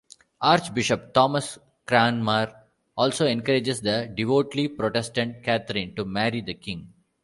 Archbishop Thomas Cranmer also encourages the devoutly Protestant Catherine to marry the King.